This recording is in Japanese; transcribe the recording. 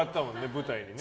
舞台にね。